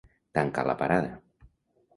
Tancar la parada.